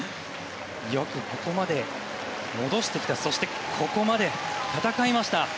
よくここまで戻してきたそしてここまで戦いました。